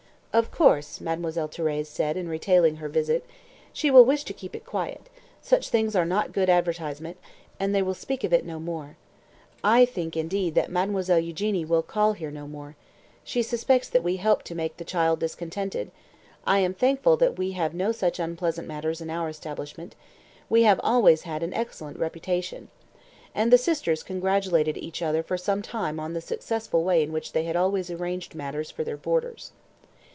"Of course," Mademoiselle Thérèse said, in retailing her visit, "she will wish to keep it quiet; such things are not a good advertisement, and they will speak of it no more. I think, indeed, that Mademoiselle Eugénie will call here no more. She suspects that we helped to make the child discontented. I am thankful that we have no such unpleasant matters in our establishment. We have always had an excellent reputation!" and the sisters congratulated each other for some time on the successful way in which they had always arranged matters for their boarders.